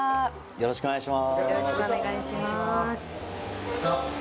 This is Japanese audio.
よろしくお願いします